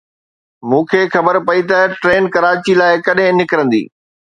مون کي خبر پئي ته ٽرين ڪراچي لاءِ ڪڏهن نڪرندي.